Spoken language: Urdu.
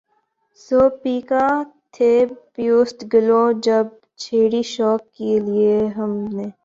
سو پیکاں تھے پیوست گلو جب چھیڑی شوق کی لے ہم نے